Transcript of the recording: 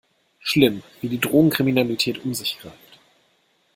Schlimm, wie die Drogenkriminalität um sich greift!